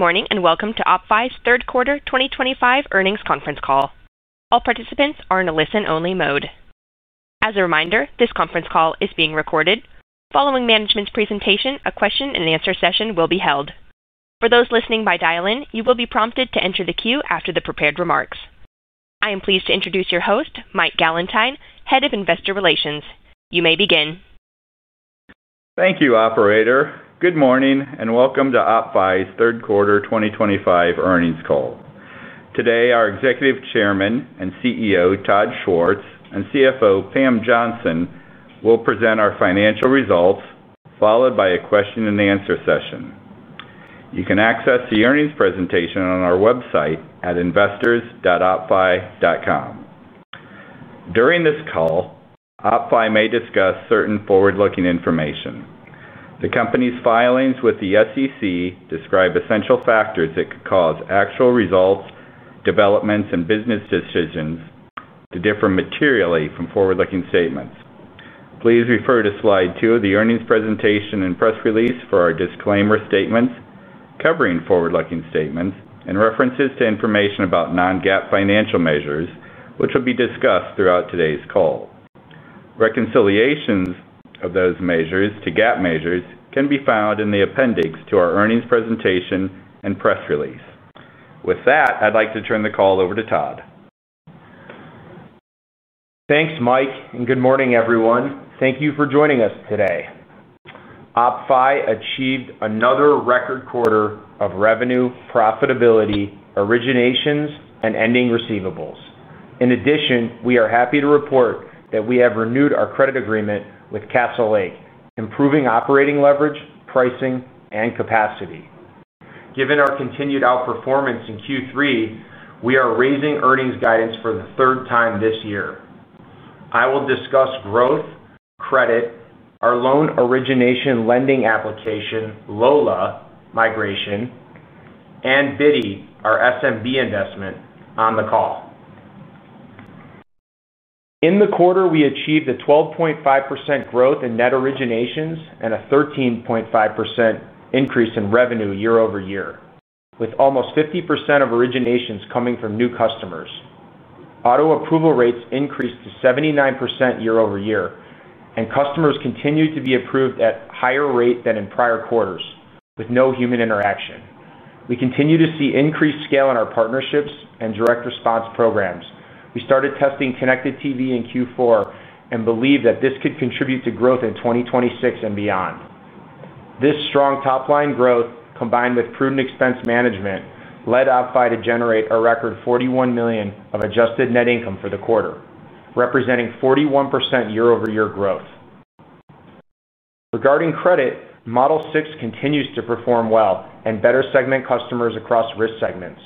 Good morning and welcome to OppFi's third quarter 2025 earnings conference call. All participants are in a listen-only mode. As a reminder, this conference call is being recorded. Following management's presentation, a question and answer session will be held. For those listening by dial-in, you will be prompted to enter the queue after the prepared remarks. I am pleased to introduce your host, Mike Gallentine, Head of Investor Relations. You may begin. Thank you, operator. Good morning and welcome to OppFi's third quarter 2025 earnings call. Today, our Executive Chairman and CEO, Todd Schwartz, and CFO, Pam Johnson, will present our financial results, followed by a question and answer session. You can access the earnings presentation on our website at investors.oppfi.com. During this call, OppFi may discuss certain forward-looking information. The company's filings with the SEC describe essential factors that could cause actual results, developments, and business decisions to differ materially from forward-looking statements. Please refer to slide two of the earnings presentation and press release for our disclaimer statements covering forward-looking statements and references to information about non-GAAP financial measures, which will be discussed throughout today's call. Reconciliations of those measures to GAAP measures can be found in the appendix to our earnings presentation and press release. With that, I'd like to turn the call over to Todd. Thanks, Mike, and good morning, everyone. Thank you for joining us today. OppFi achieved another record quarter of revenue, profitability, originations, and ending receivables. In addition, we are happy to report that we have renewed our credit agreement with Castlelake, improving operating leverage, pricing, and capacity. Given our continued outperformance in Q3, we are raising earnings guidance for the third time this year. I will discuss growth, credit, our loan origination lending application, LOLA migration, and BIDI, our SMB investment, on the call. In the quarter, we achieved a 12.5% growth in net originations and a 13.5% increase in revenue year-over-year, with almost 50% of originations coming from new customers. Auto approval rates increased to 79% year-over-year, and customers continue to be approved at a higher rate than in prior quarters, with no human interaction. We continue to see increased scale in our partnerships and direct response programs. We started testing connected TV in Q4 and believe that this could contribute to growth in 2026 and beyond. This strong top-line growth, combined with prudent expense management, led OppFi to generate a record $41 million of adjusted net income for the quarter, representing 41% year-over-year growth. Regarding credit, Model 6 continues to perform well and better segment customers across risk segments.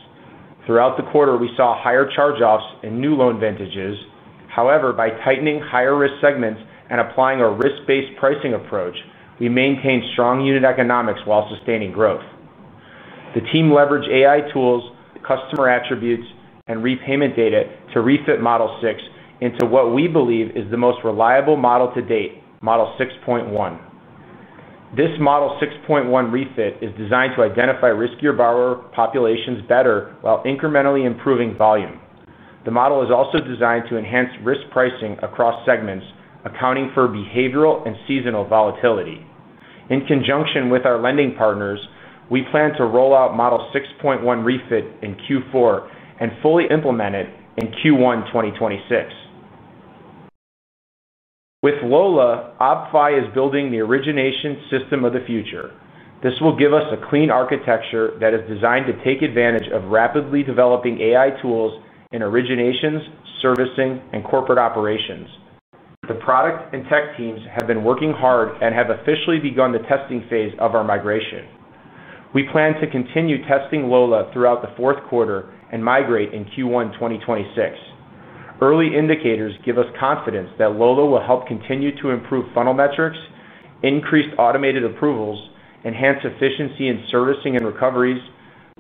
Throughout the quarter, we saw higher charge-offs and new loan vintages. However, by tightening higher risk segments and applying a risk-based pricing approach, we maintained strong unit economics while sustaining growth. The team leveraged AI tools, customer attributes, and repayment data to refit Model 6 into what we believe is the most reliable model to date, Model 6.1. This Model 6.1 refit is designed to identify riskier borrower populations better while incrementally improving volume. The model is also designed to enhance risk pricing across segments, accounting for behavioral and seasonal volatility. In conjunction with our lending partners, we plan to roll out Model 6.1 refit in Q4 and fully implement it in Q1 2026. With LOLA, OppFi is building the origination system of the future. This will give us a clean architecture that is designed to take advantage of rapidly developing AI tools in originations, servicing, and corporate operations. The product and tech teams have been working hard and have officially begun the testing phase of our migration. We plan to continue testing LOLA throughout the fourth quarter and migrate in Q1 2026. Early indicators give us confidence that LOLA will help continue to improve funnel metrics, increase automated approvals, enhance efficiency in servicing and recoveries,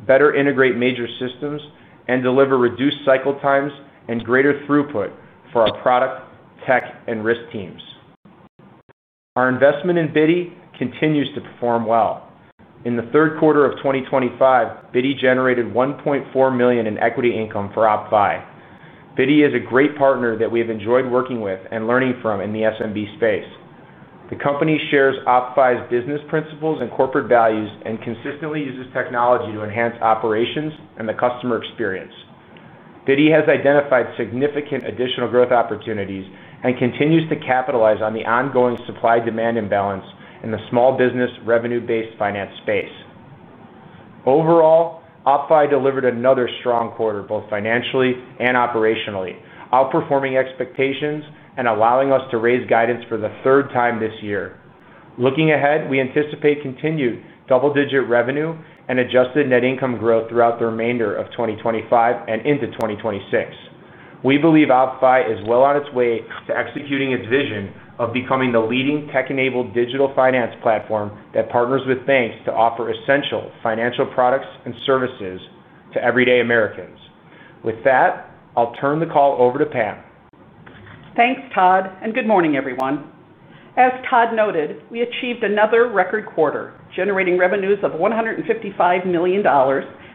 better integrate major systems, and deliver reduced cycle times and greater throughput for our product, tech, and risk teams. Our investment in BIDI continues to perform well. In the third quarter of 2025, BIDI generated $1.4 million in equity income for OppFi. BIDI is a great partner that we have enjoyed working with and learning from in the SMB space. The company shares OppFi's business principles and corporate values and consistently uses technology to enhance operations and the customer experience. BIDI has identified significant additional growth opportunities and continues to capitalize on the ongoing supply-demand imbalance in the small business revenue-based finance space. Overall, OppFi delivered another strong quarter, both financially and operationally, outperforming expectations and allowing us to raise guidance for the third time this year. Looking ahead, we anticipate continued double-digit revenue and adjusted net income growth throughout the remainder of 2025 and into 2026. We believe OppFi is well on its way to executing its vision of becoming the leading tech-enabled digital finance platform that partners with banks to offer essential financial products and services to everyday Americans. With that, I'll turn the call over to Pam. Thanks, Todd, and good morning, everyone. As Todd noted, we achieved another record quarter, generating revenues of $155 million,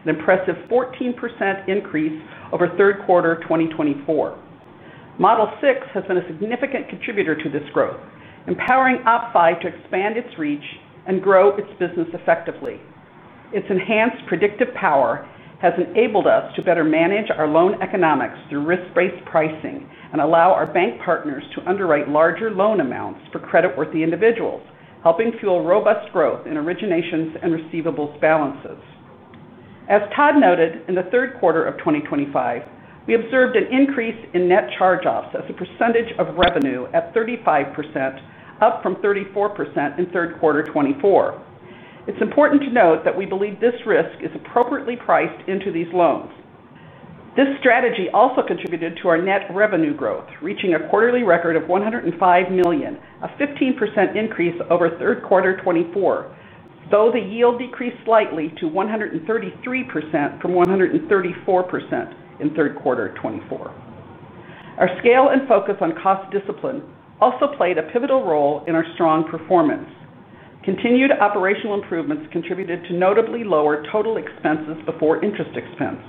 an impressive 14% increase over third quarter 2024. Model 6 has been a significant contributor to this growth, empowering OppFi to expand its reach and grow its business effectively. Its enhanced predictive power has enabled us to better manage our loan economics through risk-based pricing and allow our bank partners to underwrite larger loan amounts for credit-worthy individuals, helping fuel robust growth in originations and receivables balances. As Todd noted, in the third quarter of 2025, we observed an increase in net charge-offs as a percentage of revenue at 35%, up from 34% in third quarter 2024. It's important to note that we believe this risk is appropriately priced into these loans. This strategy also contributed to our net revenue growth, reaching a quarterly record of $105 million, a 15% increase over third quarter 2024, though the yield decreased slightly to 133% from 134% in third quarter 2024. Our scale and focus on cost discipline also played a pivotal role in our strong performance. Continued operational improvements contributed to notably lower total expenses before interest expense,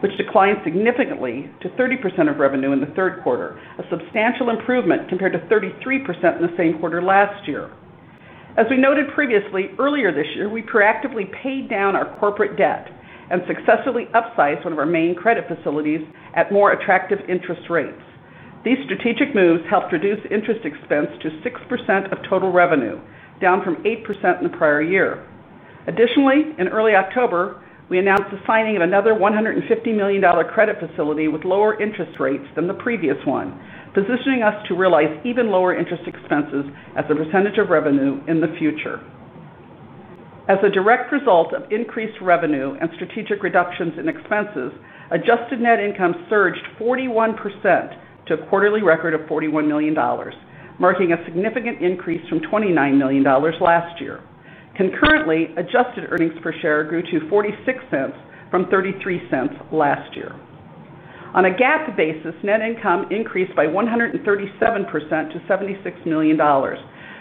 which declined significantly to 30% of revenue in the third quarter, a substantial improvement compared to 33% in the same quarter last year. As we noted previously, earlier this year, we proactively paid down our corporate debt and successfully upsized one of our main credit facilities at more attractive interest rates. These strategic moves helped reduce interest expense to 6% of total revenue, down from 8% in the prior year. Additionally, in early October, we announced the signing of another $150 million credit facility with lower interest rates than the previous one, positioning us to realize even lower interest expenses as a percentage of revenue in the future. As a direct result of increased revenue and strategic reductions in expenses, adjusted net income surged 41% to a quarterly record of $41 million, marking a significant increase from $29 million last year. Concurrently, adjusted earnings per share grew to $0.46 from $0.33 last year. On a GAAP basis, net income increased by 137% to $76 million,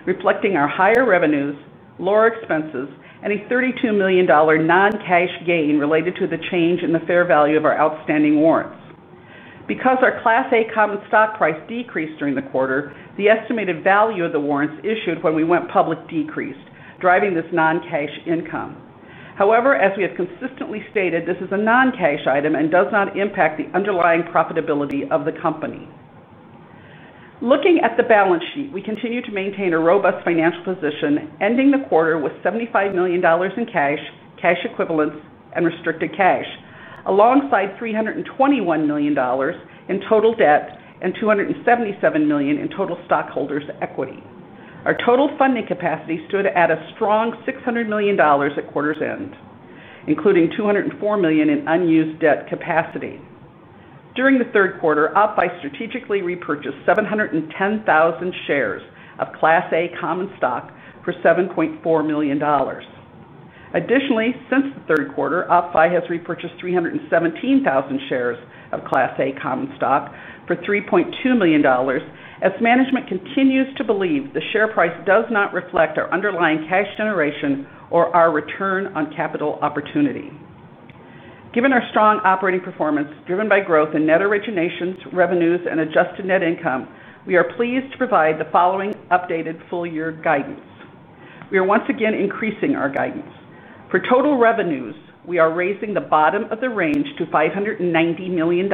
reflecting our higher revenues, lower expenses, and a $32 million non-cash gain related to the change in the fair value of our outstanding warrants. Because our Class A common stock price decreased during the quarter, the estimated value of the warrants issued when we went public decreased, driving this non-cash income. However, as we have consistently stated, this is a non-cash item and does not impact the underlying profitability of the company. Looking at the balance sheet, we continue to maintain a robust financial position, ending the quarter with $75 million in cash, cash equivalents, and restricted cash, alongside $321 million in total debt and $277 million in total stockholders' equity. Our total funding capacity stood at a strong $600 million at quarter's end, including $204 million in unused debt capacity. During the third quarter, OppFi strategically repurchased 710,000 shares of Class A common stock for $7.4 million. Additionally, since the third quarter, OppFi has repurchased 317,000 shares of Class A common stock for $3.2 million, as management continues to believe the share price does not reflect our underlying cash generation or our return on capital opportunity. Given our strong operating performance, driven by growth in net originations, revenues, and adjusted net income, we are pleased to provide the following updated full-year guidance. We are once again increasing our guidance. For total revenues, we are raising the bottom of the range to $590 million,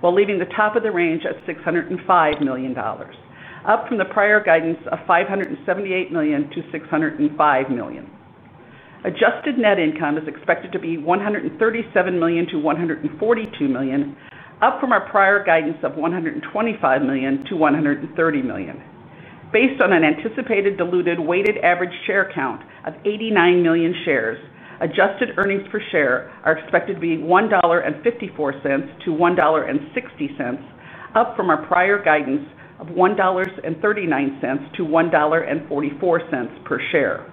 while leaving the top of the range at $605 million, up from the prior guidance of $578 million-$605 million. Adjusted net income is expected to be $137 million-$142 million, up from our prior guidance of $125 million-$130 million. Based on an anticipated diluted weighted average share count of 89 million shares, adjusted earnings per share are expected to be $1.54-$1.60, up from our prior guidance of $1.39-$1.44 per share.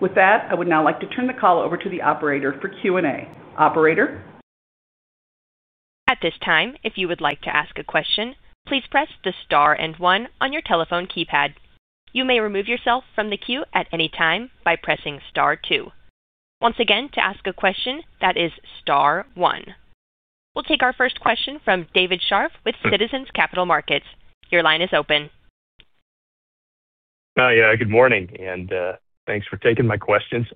With that, I would now like to turn the call over to the operator for Q&A. Operator? At this time, if you would like to ask a question, please press the star and one on your telephone keypad. You may remove yourself from the queue at any time by pressing star two. Once again, to ask a question, that is star one. We'll take our first question from David Scharf with Citizens Capital Markets. Your line is open. Good morning, and thanks for taking my questions.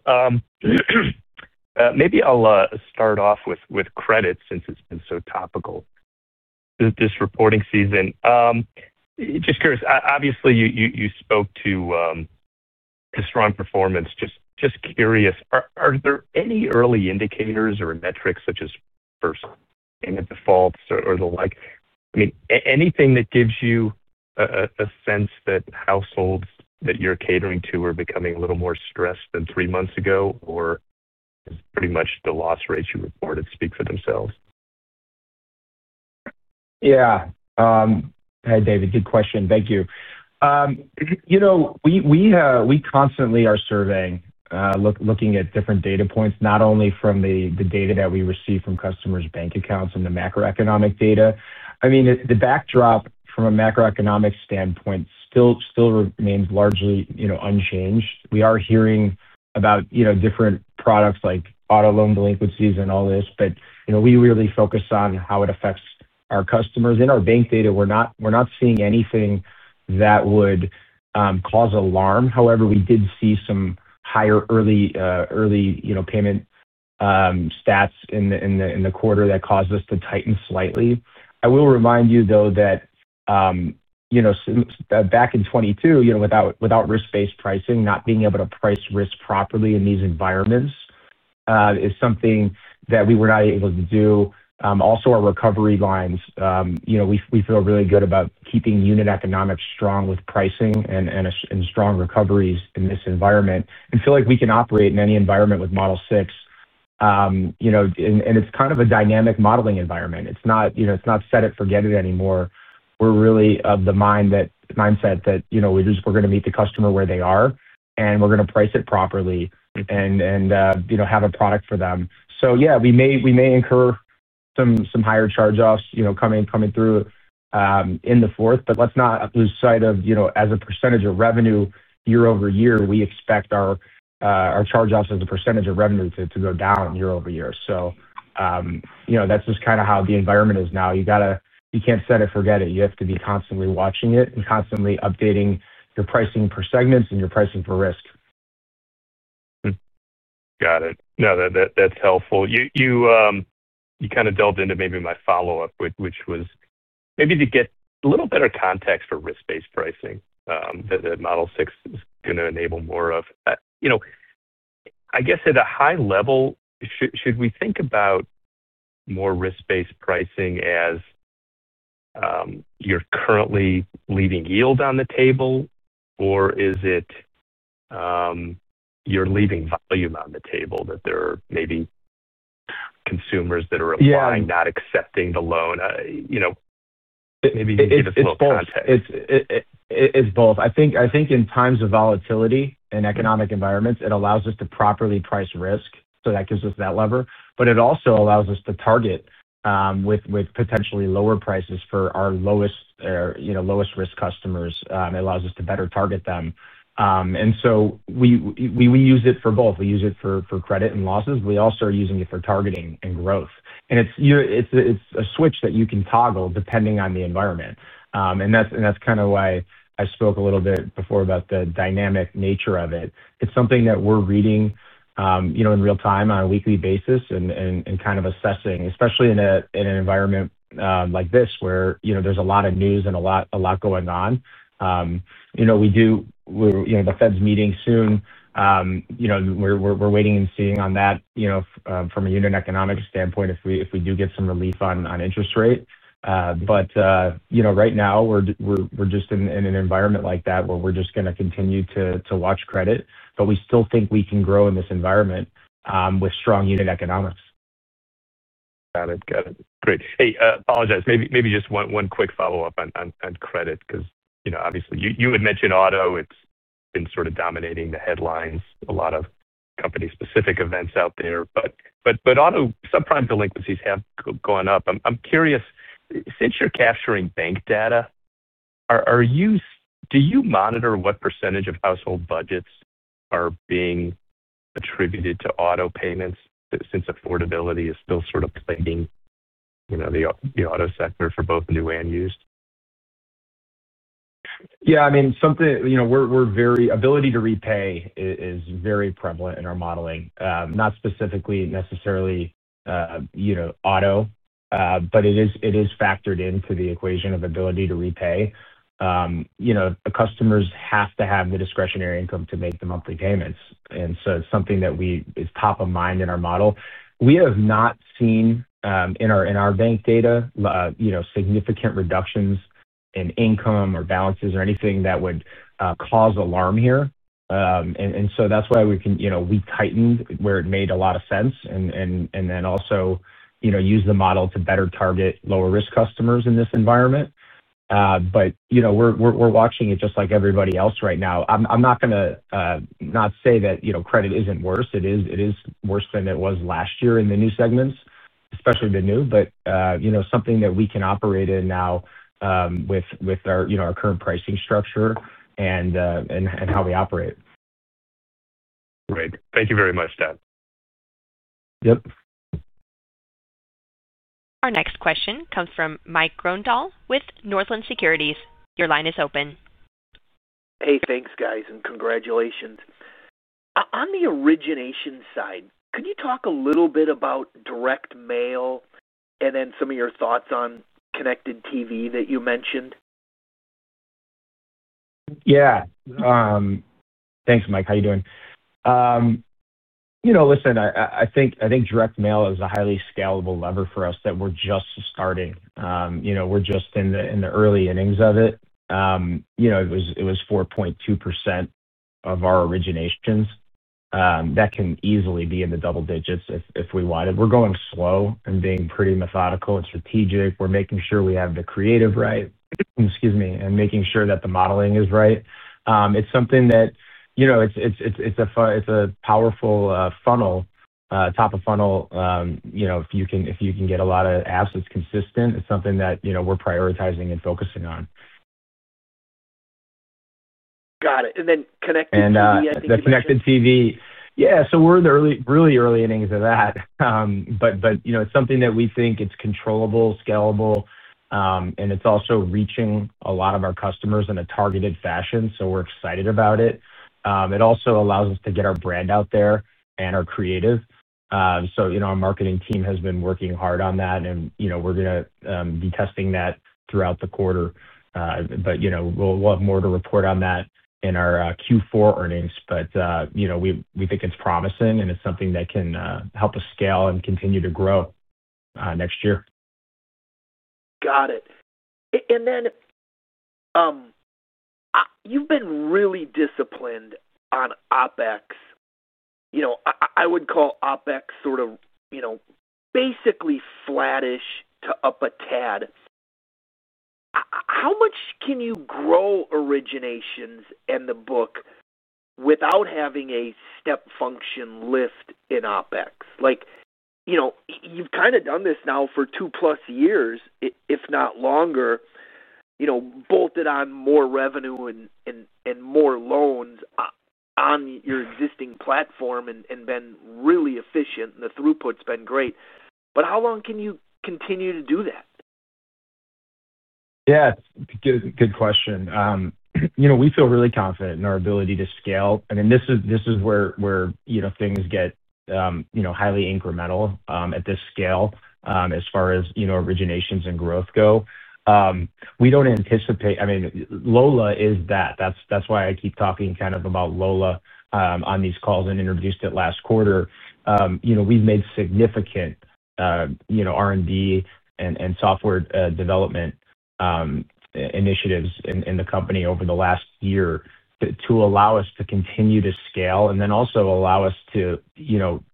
Maybe I'll start off with credit since it's been so topical this reporting season. Just curious, obviously you spoke to strong performance. Just curious, are there any early indicators or metrics such as first payment defaults or the like? I mean, anything that gives you a sense that households that you're catering to are becoming a little more stressed than three months ago, or is pretty much the loss rates you reported speak for themselves? Yeah. Hey, David, good question. Thank you. We constantly are surveying, looking at different data points, not only from the data that we receive from customers' bank accounts and the macroeconomic data. The backdrop from a macroeconomic standpoint still remains largely unchanged. We are hearing about different products like auto loan delinquencies and all this, but we really focus on how it affects our customers. In our bank data, we're not seeing anything that would cause alarm. However, we did see some higher early payment stats in the quarter that caused us to tighten slightly. I will remind you, though, that back in 2022, without risk-based pricing, not being able to price risk properly in these environments is something that we were not able to do. Also, our recovery lines, we feel really good about keeping unit economics strong with pricing and strong recoveries in this environment and feel like we can operate in any environment with Model 6. And it's kind of a dynamic modeling environment. It's not set it, forget it anymore. We're really of the mindset that we're going to meet the customer where they are, and we're going to price it properly and have a product for them. Yeah, we may incur some higher charge-offs coming through in the fourth, but let's not lose sight of, as a percentage of revenue year-over-year, we expect our charge-offs as a percentage of revenue to go down year-over-year. That's just kind of how the environment is now. You can't set it, forget it. You have to be constantly watching it and constantly updating your pricing per segment and your pricing for risk. Got it. No, that's helpful. You kind of delved into maybe my follow-up, which was maybe to get a little better context for risk-based pricing that Model 6 is going to enable more of. I guess at a high level, should we think about more risk-based pricing as you're currently leaving yield on the table, or is it you're leaving volume on the table that there are maybe consumers that are implying not accepting the loan? Maybe give us a little context. It's both. I think in times of volatility and economic environments, it allows us to properly price risk, so that gives us that lever. It also allows us to target with potentially lower prices for our lowest risk customers. It allows us to better target them. We use it for both. We use it for credit and losses. We also are using it for targeting and growth. It's a switch that you can toggle depending on the environment. That's kind of why I spoke a little bit before about the dynamic nature of it. It's something that we're reading in real time on a weekly basis and kind of assessing, especially in an environment like this where there's a lot of news and a lot going on. The Fed's meeting soon. We're waiting and seeing on that, from a unit economics standpoint if we do get some relief on interest rate. Right now, we're just in an environment like that where we're just going to continue to watch credit. We still think we can grow in this environment with strong unit economics. Got it. Great. Hey, apologize. Maybe just one quick follow-up on credit, because you know, obviously, you had mentioned auto. It's been sort of dominating the headlines, a lot of company-specific events out there. Auto subprime delinquencies have gone up. I'm curious, since you're capturing bank data, do you monitor what percentage of household budgets are being attributed to auto payments since affordability is still sort of plaguing the auto sector for both new and used? Yeah, I mean, something we're very able to repay is very prevalent in our modeling, not specifically necessarily auto, but it is factored into the equation of ability to repay. Customers have to have the discretionary income to make the monthly payments, and it's something that is top of mind in our model. We have not seen in our bank data significant reductions in income or balances or anything that would cause alarm here. That's why we tightened where it made a lot of sense and also used the model to better target lower risk customers in this environment. We're watching it just like everybody else right now. I'm not going to say that credit isn't worse. It is worse than it was last year in the new segments, especially the new, but it's something that we can operate in now with our current pricing structure and how we operate. Great. Thank you very much, Todd. Yep. Our next question comes from Mike Grondahl with Northland Securities. Your line is open. Hey, thanks, guys, and congratulations. On the origination side, could you talk a little bit about direct mail and then some of your thoughts on connected TV that you mentioned? Yeah. Thanks, Mike. How are you doing? I think direct mail is a highly scalable lever for us that we're just starting. We're just in the early innings of it. It was 4.2% of our originations. That can easily be in the double digits if we wanted. We're going slow and being pretty methodical and strategic. We're making sure we have the creative right, excuse me, and making sure that the modeling is right. It's something that is a powerful funnel, top of funnel. If you can get a lot of absence consistent, it's something that we're prioritizing and focusing on. Got it. Connected TV. The connected TV, yeah, we're in the really early innings of that. It's something that we think is controllable, scalable, and it's also reaching a lot of our customers in a targeted fashion, so we're excited about it. It also allows us to get our brand out there and our creative. Our marketing team has been working hard on that, and we're going to be testing that throughout the quarter. We'll have more to report on that in our Q4 earnings. We think it's promising, and it's something that can help us scale and continue to grow next year. Got it. You've been really disciplined on OpEx. I would call OpEx basically flattish to up a tad. How much can you grow originations and the book without having a step function lift in OpEx? You've kind of done this now for two plus years, if not longer, bolted on more revenue and more loans on your existing platform and been really efficient, and the throughput's been great. How long can you continue to do that? Yeah, it's a good question. We feel really confident in our ability to scale. This is where things get highly incremental at this scale as far as originations and growth go. We don't anticipate, I mean, LOLA is that. That's why I keep talking kind of about LOLA on these calls and introduced it last quarter. We've made significant R&D and software development initiatives in the company over the last year to allow us to continue to scale and then also allow us to,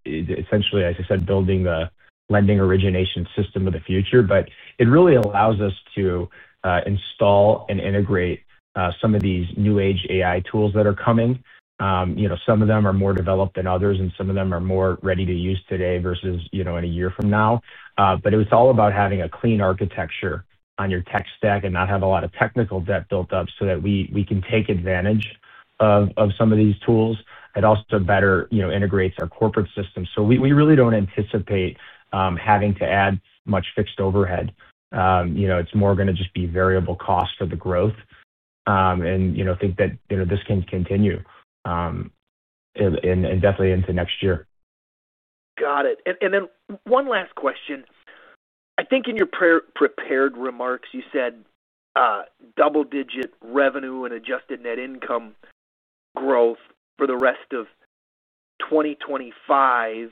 essentially, as I said, building the loan origination system of the future. It really allows us to install and integrate some of these new age AI tools that are coming. Some of them are more developed than others, and some of them are more ready to use today versus in a year from now. It was all about having a clean architecture on your tech stack and not have a lot of technical debt built up so that we can take advantage of some of these tools. It also better integrates our corporate system. We really don't anticipate having to add much fixed overhead. It's more going to just be variable cost for the growth. I think that this can continue and definitely into next year. Got it. One last question. I think in your prepared remarks, you said double-digit revenue and adjusted net income growth for the rest of 2025,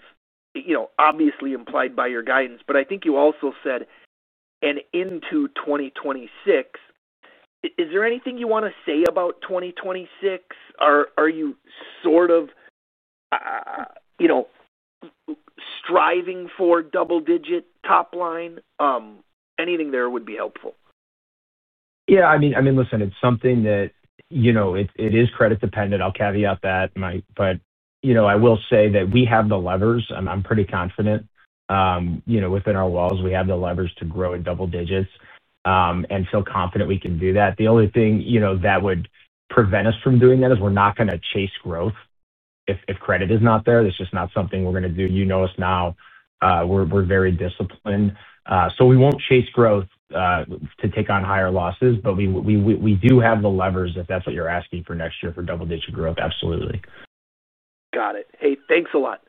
obviously implied by your guidance. I think you also said and into 2026. Is there anything you want to say about 2026, or are you sort of striving for double-digit top line? Anything there would be helpful. Yeah, I mean, listen, it's something that is credit-dependent. I'll caveat that, Mike. I will say that we have the levers. I'm pretty confident within our walls, we have the levers to grow in double digits and feel confident we can do that. The only thing that would prevent us from doing that is we're not going to chase growth if credit is not there. That's just not something we're going to do. You know us now. We're very disciplined. We won't chase growth to take on higher losses, but we do have the levers if that's what you're asking for next year for double-digit growth. Absolutely. Got it. Hey, thanks a lot.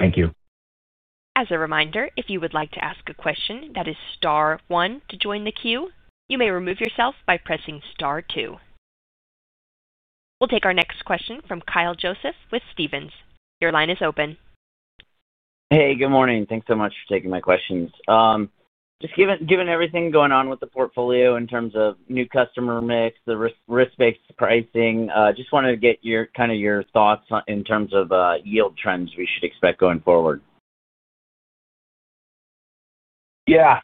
Thank you. As a reminder, if you would like to ask a question, that is star one to join the queue. You may remove yourself by pressing star two. We'll take our next question from Kyle Joseph with Stephens. Your line is open. Hey, good morning. Thanks so much for taking my questions. Given everything going on with the portfolio in terms of new customer mix and the risk-based pricing, I just wanted to get your thoughts in terms of yield trends we should expect going forward. Yeah.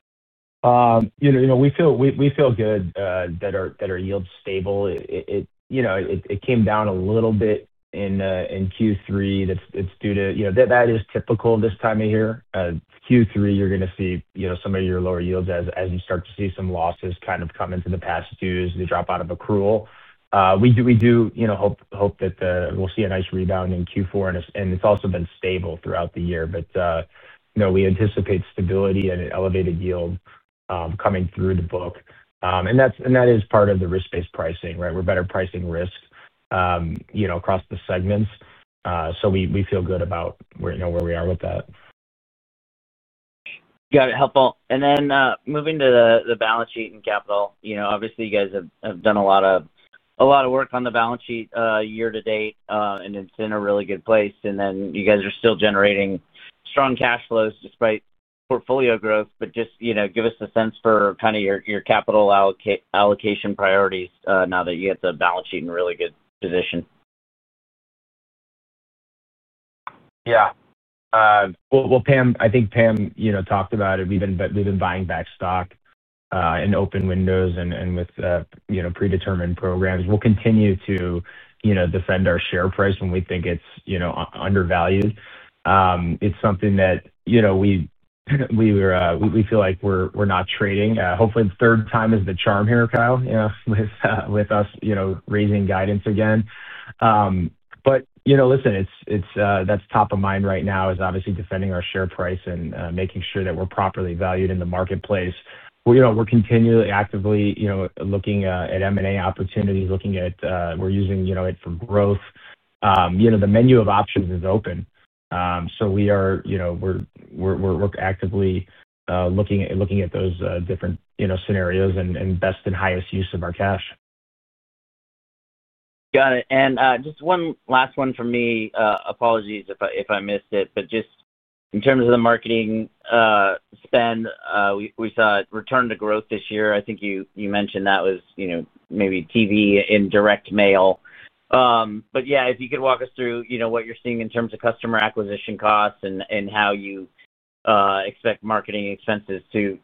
We feel good that our yield's stable. It came down a little bit in Q3. That's typical this time of year. Q3, you're going to see some of your lower yields as you start to see some losses come into the past dues and drop out of accrual. We do hope that we'll see a nice rebound in Q4, and it's also been stable throughout the year. We anticipate stability and an elevated yield coming through the book. That is part of the risk-based pricing, right? We're better pricing risk across the segments. We feel good about where we are with that. Got it. Helpful. Moving to the balance sheet and capital, you guys have done a lot of work on the balance sheet year-to-date, and it's in a really good place. You guys are still generating strong cash flows despite portfolio growth. Just give us a sense for your capital allocation priorities now that you have the balance sheet in a really good position. Pam, I think Pam talked about it. We've been buying back stock in open windows and with predetermined programs. We'll continue to defend our share price when we think it's undervalued. It's something that we feel like we're not trading. Hopefully, the third time is the charm here, Kyle, with us raising guidance again. It's top of mind right now, obviously defending our share price and making sure that we're properly valued in the marketplace. We're continually actively looking at M&A opportunities, looking at we're using it for growth. The menu of options is open. We are actively looking at those different scenarios and best and highest use of our cash. Got it. Just one last one from me. Apologies if I missed it. In terms of the marketing spend, we saw it return to growth this year. I think you mentioned that was maybe TV and direct mail. If you could walk us through what you're seeing in terms of customer acquisition costs and how you expect marketing expenses to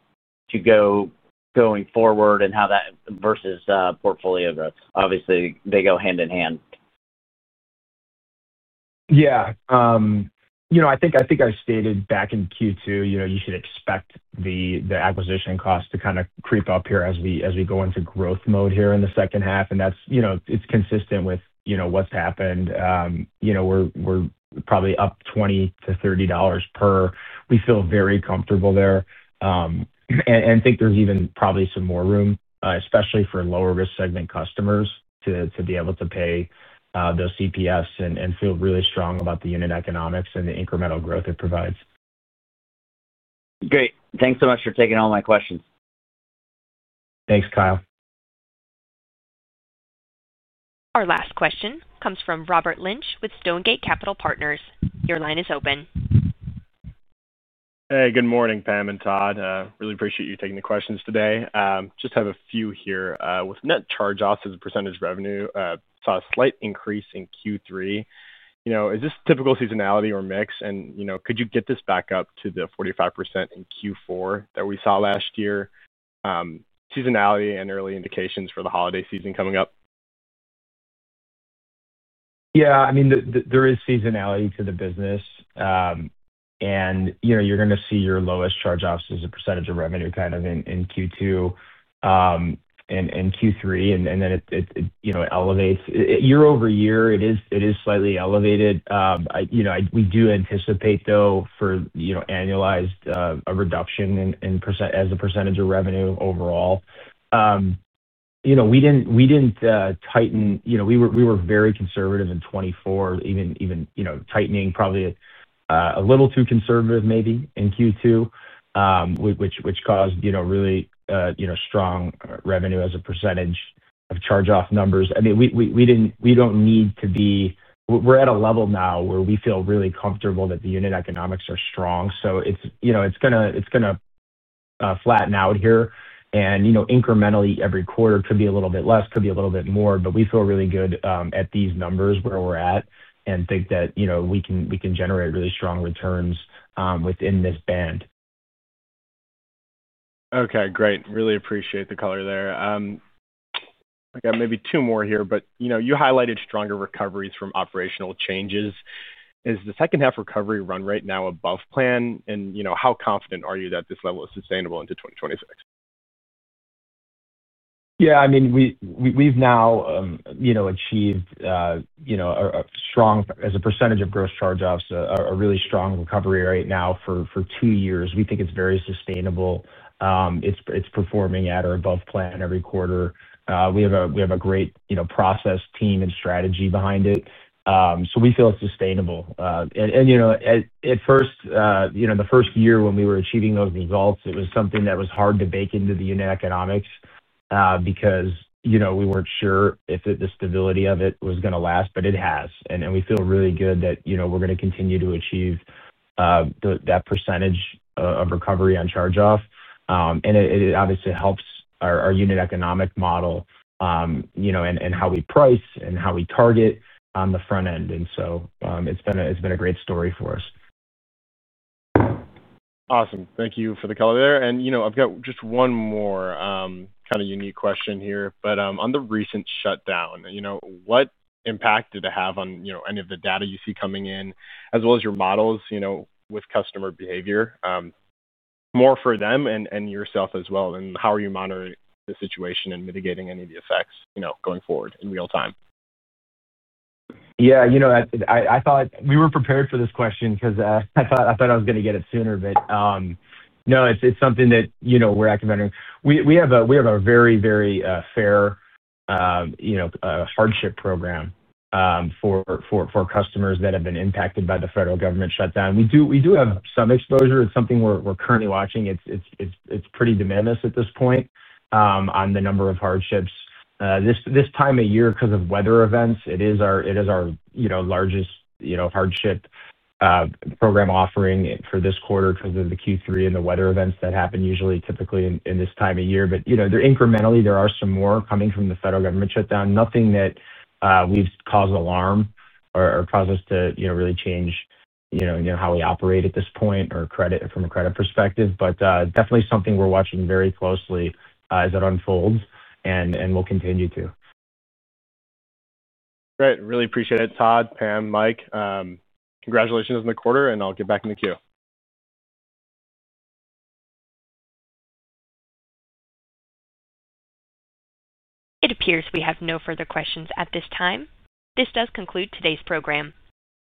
go going forward and how that compares versus portfolio growth. Obviously, they go hand in hand. Yeah. I think I stated back in Q2, you should expect the acquisition cost to kind of creep up here as we go into growth mode here in the second half. That's consistent with what's happened. We're probably up $20-$30 per. We feel very comfortable there. I think there's even probably some more room, especially for lower risk segment customers to be able to pay those CPS and feel really strong about the unit economics and the incremental growth it provides. Great. Thanks so much for taking all my questions. Thanks, Kyle. Our last question comes from Robert Lynch with Stonegate Capital Partners. Your line is open. Hey, good morning, Pam and Todd. Really appreciate you taking the questions today. Just have a few here. With net charge-offs as a percentage of revenue, saw a slight increase in Q3. Is this typical seasonality or mix? Could you get this back up to the 45% in Q4 that we saw last year? Seasonality and early indications for the holiday season coming up? Yeah, I mean, there is seasonality to the business. You know, you're going to see your lowest charge-offs as a percentage of revenue kind of in Q2 and Q3, and then it elevates year-over-year. It is slightly elevated. We do anticipate, though, for annualized a reduction as a percentage of revenue overall. We didn't tighten. We were very conservative in 2024, even tightening probably a little too conservative maybe in Q2, which caused really strong revenue as a percentage of charge-off numbers. I mean, we don't need to be. We're at a level now where we feel really comfortable that the unit economics are strong. It's going to flatten out here. Incrementally, every quarter could be a little bit less, could be a little bit more. We feel really good at these numbers where we're at and think that we can generate really strong returns within this band. Okay, great. Really appreciate the color there. I got maybe two more here, but you know, you highlighted stronger recoveries from operational changes. Is the second-half recovery run right now a buff plan? You know, how confident are you that this level is sustainable into 2026? Yeah, I mean, we've now achieved a strong, as a percentage of gross charge-offs, a really strong recovery rate now for two years. We think it's very sustainable. It's performing at or above plan every quarter. We have a great process, team, and strategy behind it. We feel it's sustainable. At first, the first year when we were achieving those results, it was something that was hard to bake into the unit economics because we weren't sure if the stability of it was going to last, but it has. We feel really good that we're going to continue to achieve that percentage of recovery on charge-off. It obviously helps our unit economic model, and how we price and how we target on the front end. It's been a great story for us. Awesome. Thank you for the color there. I've got just one more kind of unique question here. On the recent shutdown, what impact did it have on any of the data you see coming in, as well as your models with customer behavior? More for them and yourself as well. How are you monitoring the situation and mitigating any of the effects going forward in real time? Yeah, I thought we were prepared for this question because I thought I was going to get it sooner. It's something that we're acclimating. We have a very, very fair hardship program for customers that have been impacted by the federal government shutdown. We do have some exposure. It's something we're currently watching. It's pretty demandless at this point on the number of hardships. This time of year, because of weather events, it is our largest hardship program offering for this quarter because of the Q3 and the weather events that happen usually typically in this time of year. Incrementally, there are some more coming from the federal government shutdown. Nothing that has caused alarm or caused us to really change how we operate at this point or credit from a credit perspective. Definitely something we're watching very closely as it unfolds and will continue to. Great. Really appreciate it, Todd, Pam, Mike. Congratulations on the quarter, and I'll get back in the queue. It appears we have no further questions at this time. This does conclude today's program.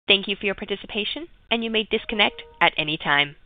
Thank you for your participation, and you may disconnect at any time.